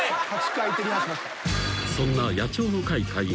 ［そんな野鳥の会会員